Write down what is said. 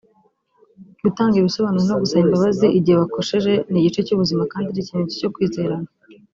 Gutanga ibisobanuro no gusaba imbabazi igihe wakosheje ni igice cy’ubuzima kandi ni ikimenyetso cyo kwizerana